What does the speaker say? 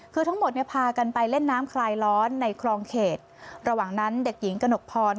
คือทั้งหมดเนี่ยพากันไปเล่นน้ำคลายร้อนในคลองเขตระหว่างนั้นเด็กหญิงกระหนกพร